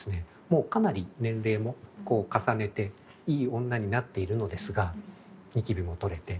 もうかなり年齢も重ねていい女になっているのですがニキビも取れて。